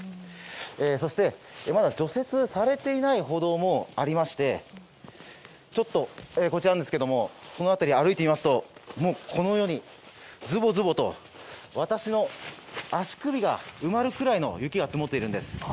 そして、まだ除雪されていない歩道もありましてその辺りを歩いてみますとズボズボと私の足首が埋まるくらいの雪が積もっているんです。